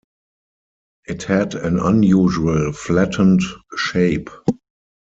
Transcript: It had an unusual, flattened shape.